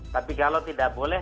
tapi kalau tidak boleh